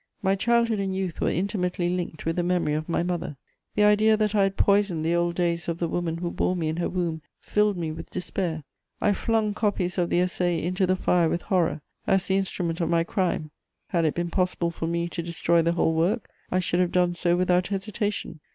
My childhood and youth were intimately linked with the memory of my mother. The idea that I had poisoned the old days of the woman who bore me in her womb filled me with despair: I flung copies of the Essai into the fire with horror, as the instrument of my crime; had it been possible for me to destroy the whole work, I should have done so without hesitation.